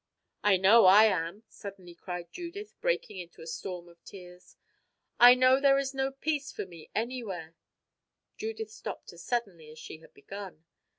"I know I am," suddenly cried Judith, breaking into a storm of tears. "I know there is no peace for me anywhere! " Judith stopped as suddenly as she had begun.